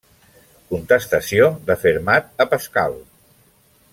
Contestació de Fermat a Pascal.